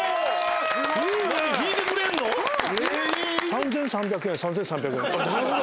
３，３００円３，３００円。